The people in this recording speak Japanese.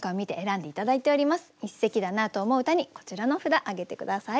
一席だなと思う歌にこちらの札挙げて下さい。